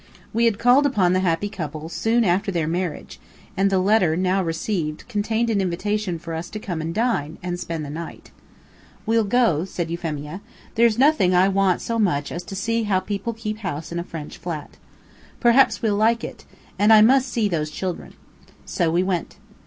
We had called upon the happy couple soon after their marriage, and the letter, now received, contained an invitation for us to come and dine, and spend the night. "We'll go," said Euphemia. "There's nothing I want so much as to see how people keep house in a French flat. Perhaps we'll like it. And I must see those children." So we went.